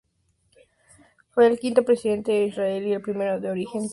Fue el quinto presidente de Israel y el primero de origen sefardí.